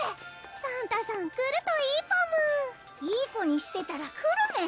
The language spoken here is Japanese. サンタさん来るといいパムいい子にしてたら来るメン！